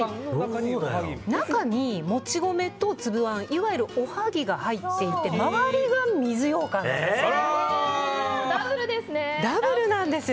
中にもち米と粒あんいわゆるおはぎが入っていて周りが水ようかんなんです。